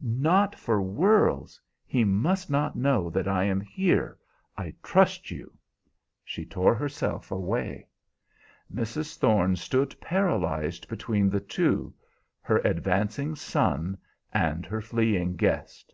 "Not for worlds. He must not know that I am here. I trust you." She tore herself away. Mrs. Thorne stood paralyzed between the two her advancing son, and her fleeing guest.